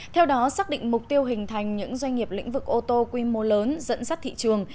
theo đó xác định mục tiêu hình thành những doanh nghiệp lĩnh vực ô tô quy mô lớn dẫn dắt thị trường